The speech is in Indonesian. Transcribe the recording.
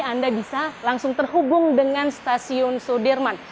anda bisa langsung terhubung dengan stasiun sudirman